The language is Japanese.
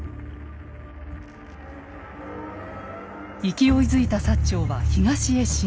勢いづいた長は東へ進軍。